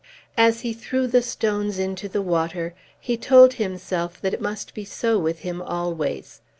As he threw the stones into the water he told himself that it must be so with him always.